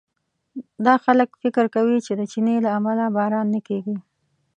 دا خلک فکر کوي چې د چیني له امله باران نه کېږي.